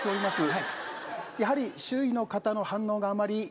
はいやはり周囲の方の反応があまり？